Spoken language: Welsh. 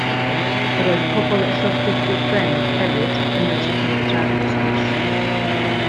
Yr oedd pobl y llofftydd uwchben, hefyd, yn medru cymryd rhan yn y sgwrs.